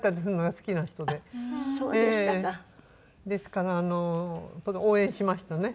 ですから応援しましたね。